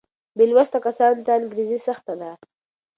بې لوسته کسانو ته انګرېزي سخته ده.